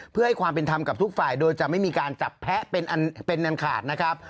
เพื่อให้ความเป็นธรรมกับทุกฝ่ายโดยจะไม่มีการจับแพ้เป็นอันขาดนะครับ